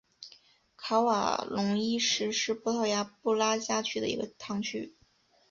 卡瓦隆伊什是葡萄牙布拉加区的一个堂区。